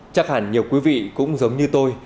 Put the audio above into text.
chắc hẳn nhiều quý vị cũng giống như tôi